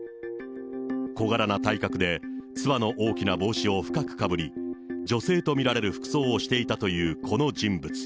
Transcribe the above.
小柄な体格で、つばの大きな帽子を深くかぶり、女性と見られる服装をしていたというこの人物。